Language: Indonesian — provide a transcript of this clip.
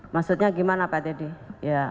maksudnya gimana pak teddy